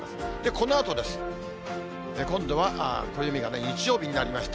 このあとです。今度は暦が日曜日になりました。